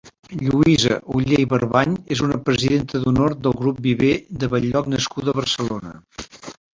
Lluïsa Oller i Barbany és una presidenta d'honor del Grup Viver de Bell-lloc nascuda a Barcelona.